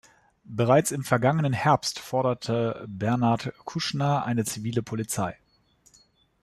Bereits im vergangenen Herbst forderte Bernard Kouchner eine zivile Polizei.